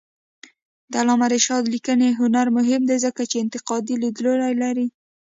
د علامه رشاد لیکنی هنر مهم دی ځکه چې انتقادي لیدلوری لري.